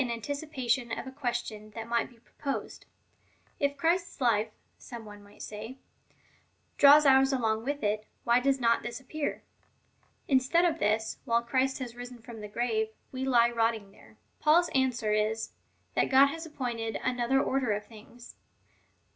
XV. 24. pation of a question that might be proposed :" If Christ's life/' some one might say, " draws ours along with it, whj does not this appear ? Instead of this, while Christ has risen from the grave, we lie rotting there." Paul's answer is, that God has appointed another order of things.